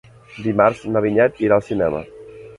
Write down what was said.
Dimarts na Vinyet irà al cinema.